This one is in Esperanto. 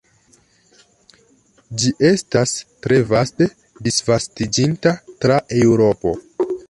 Ĝi estas tre vaste disvastiĝinta tra Eŭropo.